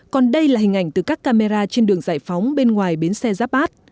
còn đây là hình ảnh từ các camera trên đường giải phóng bên ngoài bến xe giáp bát